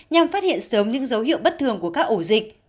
nhằm phát hiện sớm những dấu hiệu bất thường của các ổ dịch